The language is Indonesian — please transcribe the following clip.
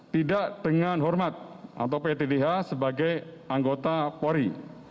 tidak dengan hormat atau ptdh sebagai anggota polri